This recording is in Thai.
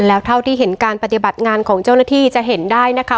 แล้วเท่าที่เห็นการปฏิบัติงานของเจ้าหน้าที่จะเห็นได้นะคะ